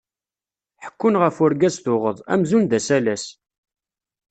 Ḥekkun ɣef urgaz tuɣeḍ, amzun d asalas.